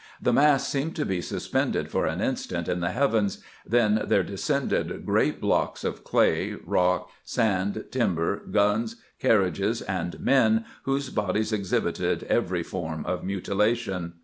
The mass seemed to be suspended for an instant in the heavens ; then there descended great blocks of clay, rock, sand, timber, guns, carriages, and men whose bodies exhibited every form of mutilation.